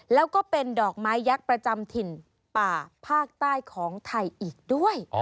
แล้วก็เป็นดอกไม้ยักษ์ประจำถิ่นป่าภาคใต้ของไทยอีกด้วย